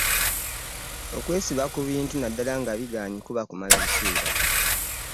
okwesiba ku bintu na ddala nga bigaanye kuba kumala biseera.